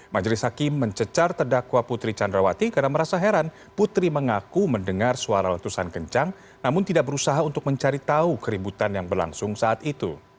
majelis hakim mencecar terdakwa putri candrawati karena merasa heran putri mengaku mendengar suara letusan kencang namun tidak berusaha untuk mencari tahu keributan yang berlangsung saat itu